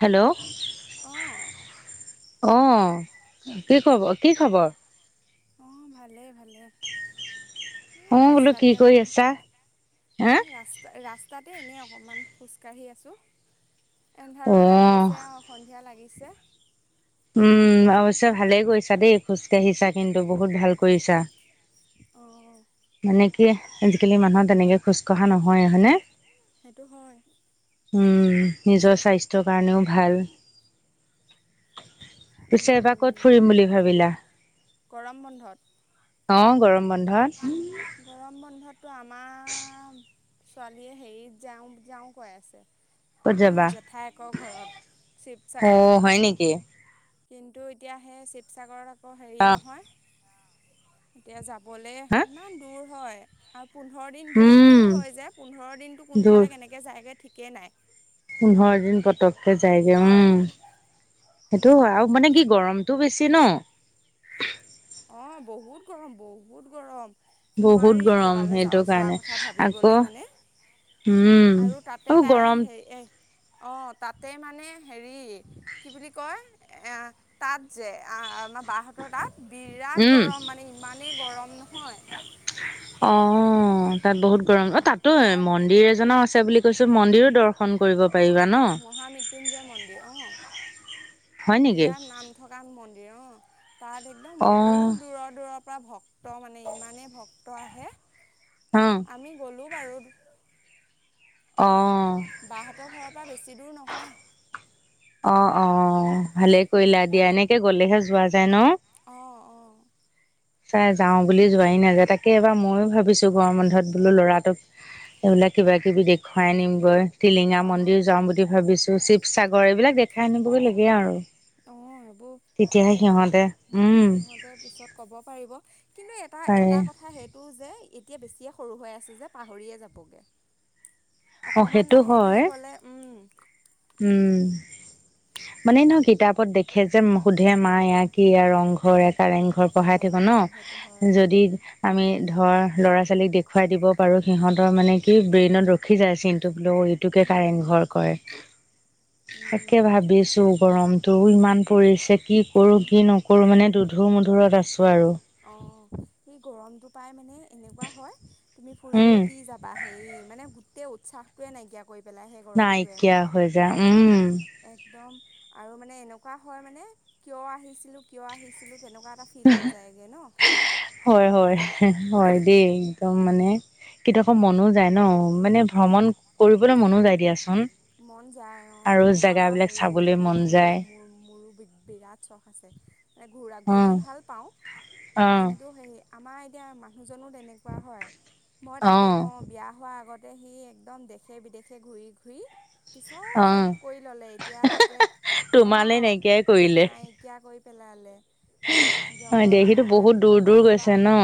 Hello অঁ অ, কি খবৰ? কি খবৰ? অ, ভালেই ভালে। অ বোলো কি কৰি আছা? হা? তাতে এনেই অকমান খোজকাঢ়ি আছো। অ এন্ধাৰো লা হৈছে আৰু সন্ধিয়া লাগি ছে উম, অৱশ্যে ভালেই কৰিছা দেই খোজকাঢ়িছা। কিন্তু বহুত ভাল কৰিছা। অ। মানে কি আজি-কালি মানুহৰ তেনেকে খোজ কঢ়া নহয়ে, হয়নে? সেইটো হয় নিজৰ স্বাস্থ্যৰ কাৰণেও ভাল পিছে এবাৰ ক'ত ফুৰিম বুলি ভাবিলা গৰম বন্ধত অ গৰম বন্ধত গৰম বন্ধতো আমাৰ ছোৱালীয়ে হেৰিত যাওঁ যাওঁ কৈ আছে। ক'ত হে যাবা জেঠায়েকৰ ঘৰত অ শিৱচাগৰ। হয় নেকি কিন্তু এতিয়া সেই শিৱচাগৰত আকৌ হেৰি অ নহয়, এতিয়া যাবলে হা ইমান দূৰ হয়। আৰু পোন্ধৰ দিন বহুত উম দূৰ হয় যে। পোন্ধৰ দিনটো দূৰ কোনফালে কেনেকে যায়গে ঠিকে নাই। পোন্ধৰ দিন পতককে যায়গৈ, হয় উম। সেইটোও হয় আৰু মানে কি গৰমটো বেছি ন। অ বহুত গৰম, বহুত গৰম। বহুত নোৱাৰিয়ে গৰম ক'বালৈ যা সেইটো যোৱা কাৰণে কথা আকৌ ভাবিবলে মানে। উম, আৰু গৰম অ, তাতে মানে হেৰি কি বুলি কয়? এ তাত যে আ আমাৰ বাহঁতৰ তাত বিৰাট উম গৰম মানে ইমানেই গৰম ন। অ। তাত বহুত গৰম। অ তাতটো তাত মন্দিৰ এজনো আছে বুলি কৈছে। মন্দিৰো দৰ্শন কৰিব পাৰিবা ন মহামৃত্যুঞ্জয় মন্দিৰ, অ। হয় নেকি বিৰাট নাম থকা মন্দিৰ অ। তাত একদম অ বহুত দূৰৰ-দূৰৰ [unintelligible] ভক্ত মানে ইমানেই ভক্ত আহে। অ আমি গ'লোঁ বাৰু। অ। বাহঁতৰ ঘৰৰ পৰা বেছি দূৰ নহয়। অ-অ ভালে কৰিলা। দিয়া। এনেকে গ'লেহে যোৱা যায় ন? অঁ অঁ চাই যাওঁ বুলি যোৱাই নাযায় তাকে এবাৰ ময়ো ভাবিছো গঁৰম বন্ধত বোলো ল'ৰাটোক এইবিলাক কিবা কিবি দেখুৱাই আনিমগৈ। টিলিঙা অঁ মন্দিৰ যাম বুলি ভাবিছো শিৱসাগৰ এইবিলাক দেখাই আনিবগে লাগে আৰু। অ এইবোৰ তেতিয়াহে হে সিহঁতে উম সিহঁতে পিছত কব পাৰিব কিন্তু এ এটা পাৰে এটা কথা সেইটো যে এতিয়া বেছিয়ে সৰু হৈ আছে যে পাহৰিয়ে যাবগে অ অকমান সেইটো লাহে ধীয়ে হয় গলে, উম উম, মানে ন কিতাপত দেখে যে সোধে মা ইয়া কি ইয়া ৰংঘৰ কাৰেং ঘৰ অঁ পঢ়াই থাকো কাৰেংঘৰ সেইটো হয় ন উম যদি আমি ধৰা ল'ৰা ছোৱালীক দেখুৱাই দিব পাৰো সিহঁতৰ মানে কি ব্ৰেইনত ৰখি যায় চিনটো বোলে এইটোকে উম কাৰেং ঘৰ কয়। তাকে উম ভাবিছো গৰমটো ইমান পৰিছে কি কৰো কি নক সে মানে দুধুৰ মধুৰত আছো আৰু। অ সি গৰমটো পাই মানে এনেকুৱা হয় তুমি উম ফুৰিবলে কি যাবা হেই মানে গোটেই উৎসাহটোৱে নাইকিয়া কৰি পেলাই সেই গৰমটোৱে নাইকিয়া হৈ যায় উম। একদম আৰু মানে এনেকুৱা হয় মানে কিয় আহিছিলো কিয় আহিছিলো তেনেকুৱা এটা ফিল হৈ যায়। হয় হয় হয় দেই। একদম মানে কেতিয়াবা মনো যায় ন মানে ভ্ৰমণ কৰিবলে মনো যায় দিয়াচোন। মন যায় অ আৰু মোৰ আক জেগাবিলাক হেৰি চাবলৈ মোৰ মন মোৰো যায় মোৰ মোৰো বি বিৰাট চখ আছে। এ ঘূৰা অ ঘূৰি ভাল পাওঁ অ কিন্তু সেই আমাৰ এতিয়া মানুহজনো তেনেকুৱা হয় মই অ তাকে কওঁ বিয়া হোৱা আ ইয়াতে সি একদম দেশে বিদেশে ঘূৰি ঘূৰি কি চব অ শেষ কৰি ললে এতিয়া একে অ তোমালে নাইকিয়াই কৰিলে নাইকিয়া কৰি পেলালে। হয় দে হিটো জগন্নাথ বহুত দূৰ দূৰ কৰবা গৈছে ক ন।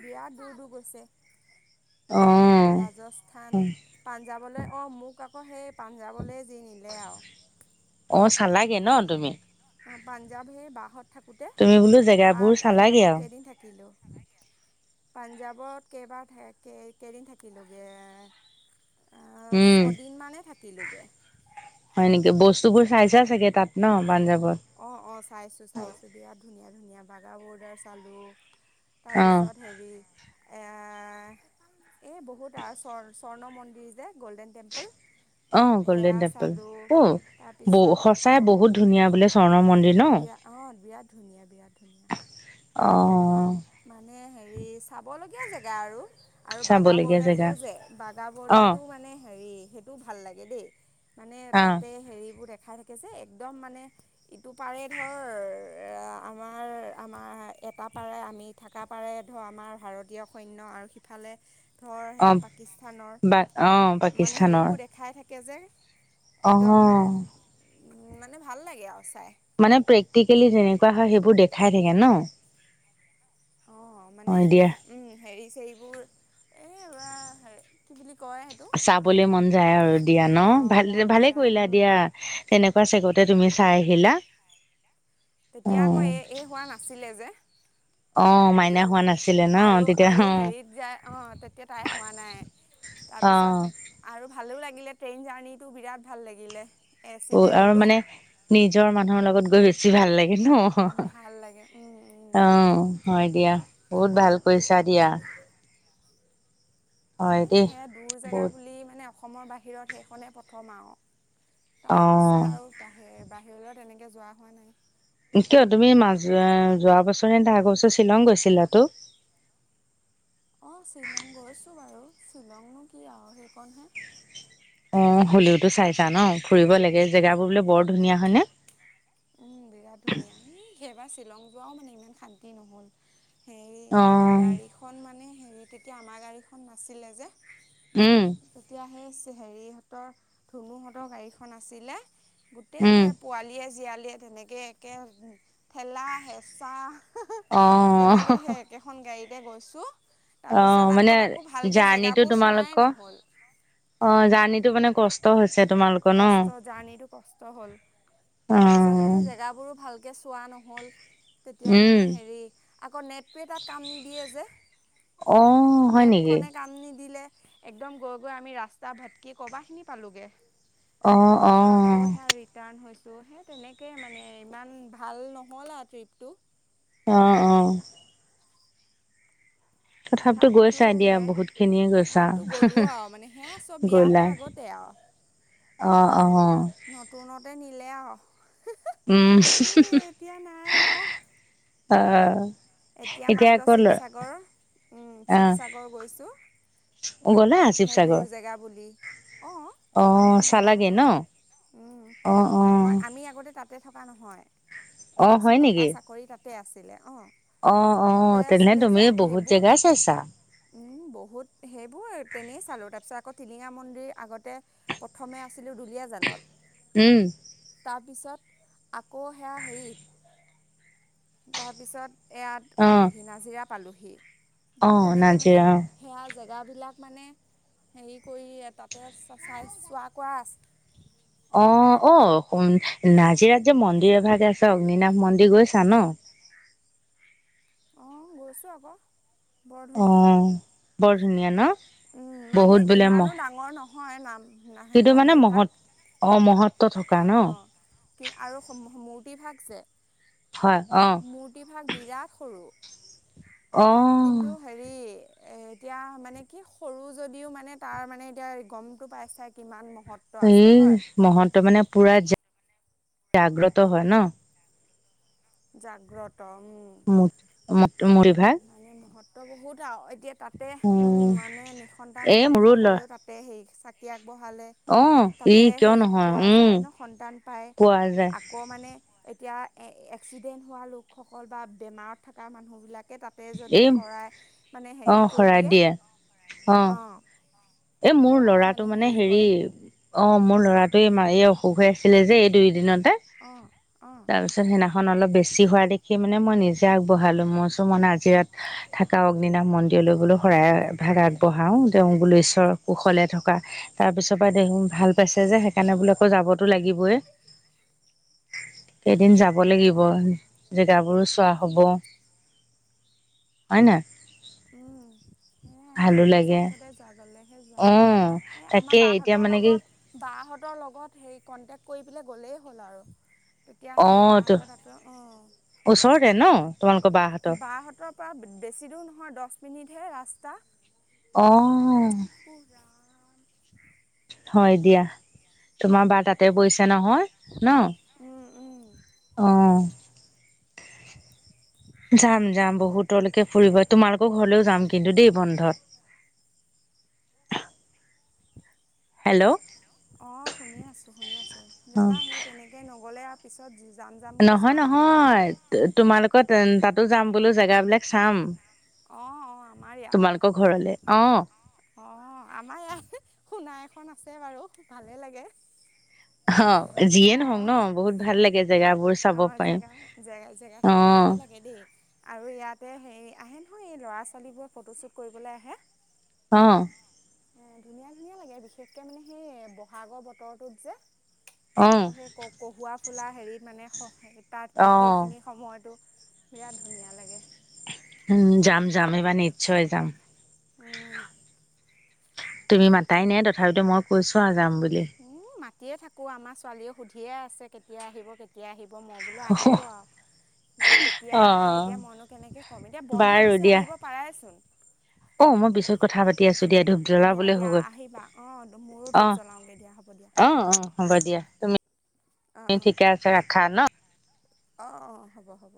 বিৰাট দূৰ দূৰ গৈছে। অ ৰাজস্থান পান- যাবলৈ অ মোক আকৌ সেই পাঞ্জাৱলৈ যি নিলে আঅ অ চালাগে ন তুমি। অ পাঞ্জাৱ হে বাহত থাকোঁতে তুমি বোলো জেগাবোৰ তাত চালাগে পাঞ্জাৱত আৰু কেইদিন থাকিলোঁ পাঞ্জাৱত কেইবাৰ ঠাই কেইদিন থাকিলোগে উম ছদিন মানে হয় নেকি বস্তুবোৰ চাইছা চাগে তাত? ন পাঞ্জাব অ অ চাইছো চাইছো বিৰাট ধুনীয়া ধুনীয়া বাগা বৰ্ডাৰ চালো। অ তাৰপিছত হেৰি এ আ এই বহুত আৰ স্বৰ্ণ মন্দিৰ যে গল্ডেন টেম্পল অ গল্ডেন সেয়া টেম্পুল চালোঁ টো তাৰপিছত সঁচাই বহুত ধুনীয়া বোলে স্বৰ্ণ মন্দিৰ ন বিৰা অ বিৰাট ধুনীয়া বিৰাট অ ধুনীয়া মানে হে হেৰি চাবলগীয়া জেগা আৰু আৰু বাগা চাবলগীয়া জেগা বৰ্ডাৰটোও যে বাগা অ বৰ্ডাৰটো মানে হেৰি সেইটো ভাল লাগে দেই। মানে অ তাতে হেৰিবোৰ দে দেখাই থাকে যে একদম মানে ইটো পাৰে ধৰ আমাৰ আমাৰ এট এটা পাৰে আমি থাকা পাৰে ধৰ আমাৰ ভাৰতীয় সৈন্য আৰু সিফালে ধৰ অ সেয়া বা অ পাকিস্তানৰ মানে পাকিস্তানৰ হেৰিবোৰ দেখাই থাকে যে অ উম মানে ভাল লাগে আৰু চাই মানে প্ৰেক্টিকেলি যেনেকুৱা হয় সেইবোৰ দেখাই থাকে ন অ অ মানে দিয়া উম হেৰি চেৰিবোৰ এ ৰোৱা হে কি বুলি কয় সেইটো চাবলৈ মন যায় আৰু দিয়া ন অ' ভাল মন ভালে যায় কৰিলা উম, দিয়া তেনেক ছেগতে তুমি চাই আহিলা। অ তেতিয়া আকৌ এ এই হোৱা নাছিলে যে [inaudible] মাইনা হোৱা নাছিলে ন আৰু তেতিয়া আৰু হেৰিত যায় আহ তেতিয়া তাই হোৱা নাই। অ তাৰপিছত আৰু ভালো লাগিলে, ট্ৰেইন জাৰ্ণিটো বিৰাট ভাল লাগিলে। এ অ চিতে আৰু গ'লোঁ। মানে নিজৰ মানুহৰ লগত গৈ বেছি ভাল লাগ- এ ন ভাল লাগে উম, উম। অ হয় দিয়া। বহুত ভাল কৰিছা দিয়া। হয় এ দেই। সেয়া দূৰ জেগা বহুত বুলি মানে অসমৰ বাহিৰত সেইখনে প্ৰথম আও। তাৰ পিছত অ'। আৰু বাহিৰ বাহিৰলৈ তেনেকে যোৱা হোৱা নাই। এতিয় তুমি মাজ অ যোৱা বছৰ আগৰ বছৰ শ্বিলং গৈছিলা ত। [inaudible] অ শ্বিলং গৈছো বাৰু শ্বিলংনো কি আৰু সেইকণহে। অ হলিওতো চাইছা ন ফুৰিব লাগে জেগাবোৰ বোলে বৰ ধুনীয়া হয়নে? উম বিৰাট ধুনীয়া সি সেইবাৰ শ্বিলং যোৱাও মানে ইমান শান্তি নহ'ল। হেৰি অ'। গাড়ীখন মানে হেৰি তেতিয়া আমাৰ গাড়ীখন নাছিলে যে। উম, এতিয়া সেই হেৰিহতৰ ধুনুহতৰ গাড়ীখন আছিলে। গোটেই উম, সেই পোৱালীয়ে জীয়ালীয়ে তেনেকে একে ঠেলা হেঁচা। অ তে গৈছো তাৰ পিছত অ', মানে আকৌ তাকো ভালকে জাৰ্ণিটো জেগাবোৰ চোৱাই তোমালোকৰ নহল। অ জাৰ্ণিটো মানে কষ্ট হৈছে তোমালোক- কষ্ট জাৰ্ণিটো কষ্ট হ'ল তাৰ পিছত অ', সেই জেগাবোৰো ভালকে চোৱা ন- মহল তেতিয়া উম, মানে হেৰি আকৌ নেট তাত কাম নিদিয়ে যে। অ', হয় নেকি? মেপখনে কাম নিদিলে। একদম গৈ গৈ আমি ৰাস্তা ভাতকি কবা খিনি পালোগে। অ', তাৰপিছত আকৌ অ', সেয়া ৰিটাৰ হৈছ- ত' সে তেনেকে মানে ইমান ভাল নহল আও ট্ৰিপটো। অ অ। তথাপিতো গৈছা দিয়া সে বহুত খিনিয়ে গৈছা তথাপিতো গ'লো আও মানে সেয়া চব বিয়া গ'লা হোৱা আগতে আও। অ অ। নতুনতে নিলে আও। উম নাই আৰু আ। এতিয়া মাত্ৰ শিৱসাগৰ উ শিৱসাগৰ গৈছোঁ। গ'লা শিৱসাগৰ? অ অ আমাৰ সে চালাগে বাহতৰ ন ঘৰ অ উম অ নহয় আমি আগতে তাত তাতে থকা নহয় অ হয় আমাৰচোন পাপা নেকি চাকৰি তাতে আছিলে অ। অ অ তেনে তুমি বহুত সেইবোৰ জেগা চাইছা। উম বহুত সেইবোৰ তেনেই চালো তাৰ পিছত আক। টিলিঙা মন্দিৰ আগতে প্ৰথমে আছিলো দুলিয়াজানত। উম। তাৰপিছত আকৌ সেয়া হেৰি তাৰপিছত এয়াত অ পালোহি নাজিৰা পালোহি, অ সেই তেনেকে মানে নাজিৰা সেয়া জেগাবিলাক মানে হেৰি কৰি তাতে চাই চোৱা কৰা অ অ নাজিৰাত যে মন্দিৰ এভাগ আছে অগ্নিনাশ মন্দিৰ গৈছা ন? [inaudible] অ গৈছোঁ আক বৰ অ ধুনীয়া। বৰ ধুনীয়া ন। উম মানে বহুত বোলে ইমানো মহ ডাঙৰ নহয় নাম- ন কিন্তু মানে মন্দিৰ ভাগ মহৎ অ মহৎ অ কে আৰু মূৰ্তিভাগ যে হয় অ মূৰ্তিভাগ বিৰাট সৰু। অ কিন্তু হেৰি এ এতিয়া মানে কি সৰু যদিও মানে তাৰ মানে এতিয়া গমতটো পাইছাই কিমান মহ- এই মহন্ত মানে পুৰা জাগ্ৰত হয় ন। জাগ্ৰত উম মুত মঠ মন্দিৰ ভাগ ত বহুত আও এতিয়া তাতে উম মানে নিঃসন্তান স এই মোৰো লৰা সকলেও তাতে সেই চাকি আগ- বঢ়ালে অ ই তাতে কিয় সেই নহয় পোৱা উম যায় ন সন্তান পাই পোৱা যায় আকৌ মানে এট- এতিয়া এক্সিডেণ্ট হোৱা লোকসকল বা বেমাৰত থকা মানুহবিলাক তাতে যদি এই শৰাই মানে অ হেৰি কৰি শৰাই দিয়ে অ। এ মোৰ ল'ৰাটো মানে হেৰি, অ। মোৰ ল'ৰাটোৱে মাৰ অসুখ হৈ আছিলে যে এই দুইদিনত অ তাৰ পিছত সেইদিনাখন অলপ বেছি হোৱা দেখি মানে মই নিজে আগবঢ়ালো মই চো মানে আজি ইয়াত থাকা অগ্নিনাাম মন্দিৰলৈ গোলো শৰাই ভাগ আগবঢ়াওঁ তেওঁ বুলি ঈছ- শ্বৰক কুশলে থকা তাৰ পিছৰ পৰা দেহিং ভাল পাইছে যে সেইকাৰণে বোলে আকৌ যাবতো লাগিবই। কেইদিন যাব লাগিব। জেগ- গাওঁ বোৰো চোৱা হ'ব। হয় নাই? [unintelligible] ভালো লাগে অ [unintelligible] আমাৰ বাহঁতৰ তাকে এতিয়া মানে কি লগত বাহঁতৰ লগত হেই ক কণ্টেক কৰি পেলাই গলেই হ'ল আৰু তেতিয়া অ সেইও বা তো ওচৰতে ন তোমালোকৰ বা হতৰ বাহঁতৰ পৰা বেছি দূৰ নহয় দহ মিনিটহে ৰাস্তা। অ। উফ ৰাম। হয় দিয়া। তোমাৰ বা তাতে বৈছ তে নহয় উম উম ন অ যাম যাম বহুতলৈকে ফুৰিব তোমালোকৰ ঘৰলেও যাম কিন্তু দেই বন্ধত [inaudible] হেল্ল' অ শুনি আছো শুনিছোঁ [unintelligible] তেনেকে নগলে আৰু পিছত যাম যাম বুলি নহয় যোৱা আৰু নহয় তোমালোকৰ তাতো যাম বোলো জেগাবিলাক চাম। ম তোমালোকৰ ঘৰলে অ। অ আমাৰ ইয়াত সোনা এখন আছে বাৰু ভালে লাগে। অ যিয়ে নহওক অঁ ন বহুত ভাল লাগে জেগাবোৰ চাব অঁ পাৰিম, জেগা জেগা অ। জেগাখিনি ভালেই লাগে দেই আৰু ইয়াতে হেৰি আহে। এই ল'ৰা ছোৱালীবোৰৰ ফটোশ্বুট কৰিবলৈ আহে, অ। এ ধুনীয়া ধুনীয়া [unintelligible] বহাগৰ অ বতৰটোত যে [unintelligible] সেইখিনি অ সময়তো বিৰাট ধুনীয়া লাগে। উম যাম যাম, এইবাৰ নিশ্চয় যাম। [unintelligible] তুমি মাতাই নাই তথাপিতো মই কৈছো আ। উম মাতিয়ে থাকো আমাৰ ছোৱালীয়েও সুধিয়ে আছে কেতিয়া আহিব কেতিয়া আহিব। মই বোলো আহিব এতিয়া কেতিয়া অ আহে এতিয়া মইনো কেনেকে কম এতিয়া বন্ধ বাৰু দিছে দিয়া আহিব পাৰাইচোন। অ মই পিছত কথা পাতি আছো দিয়া ধূপ দিয়া জ্বলাবলে দিয়া হ'ল। আহিবা অঁ মোৰো অ ধূপ জ্বলাওঁগৈ দিয়া হ'ব দিয়া অ, হ'ব দিয়া। তুমি ঠিকে আছে ৰাখা ন। অ, হ'ব, হ'ব।